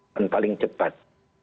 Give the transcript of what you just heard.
dan paling cepat